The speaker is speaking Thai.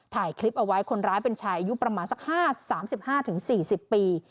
ถ่ายคลิปเอาไว้คนร้ายเป็นชายอายุประมาณสัก๓๕๔๐ปี